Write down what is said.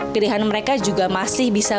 pilihan mereka juga masih bisa